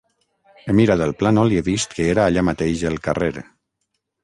He mirat el plànol i he vist que era allà mateix el carrer...